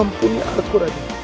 ampuni alatku raden